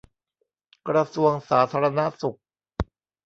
กระทรวงสาธารณสุข